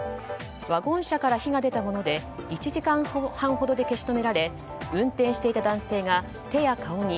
ワゴン車から火が出たもので１時間半ほどで消し止められ運転していた男性が、手や顔に